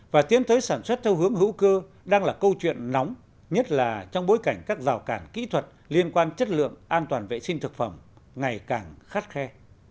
và tiến tới sản xuất theo hướng hữu cơ đang là câu chuyện nóng nhất là trong bối cảnh các rào cản kỹ thuật liên quan chất lượng an toàn vệ sinh thực phẩm ngày càng khắt khe